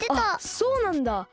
あっそうなんだ。